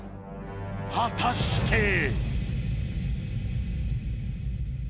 果たして？